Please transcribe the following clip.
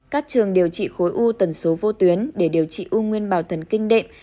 các trường điều trị khối u tần số vô tuyến để điều trị u nguyên bào thần kinh đệm